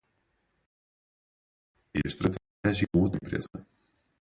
Estabelecemos uma parceria estratégica com outra empresa.